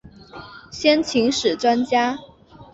先秦史专家。